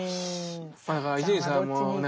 だから伊集院さんもね